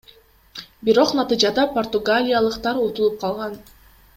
Бирок натыйжада португалиялыктар утулуп калган.